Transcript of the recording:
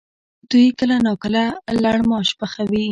دوی کله ناکله لړماش پخوي؟